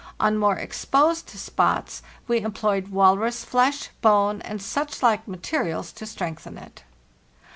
On more exposed spots we employed walrus flesh, bone, and such like materials to strengthen it.